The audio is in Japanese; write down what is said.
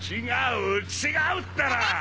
違う違うったら！